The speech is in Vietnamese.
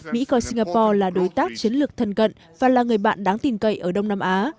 mỹ coi singapore là đối tác chiến lược thân cận và là người bạn đáng tin cậy ở đông nam á